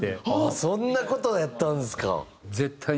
そんな事やったんですか。